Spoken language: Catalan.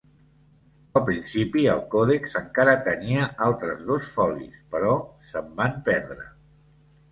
Al principi el còdex encara tenia altres dos folis, però se'n van perdre.